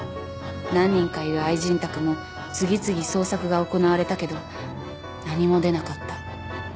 何人かいる愛人宅も次々捜索が行われたけど何も出なかった。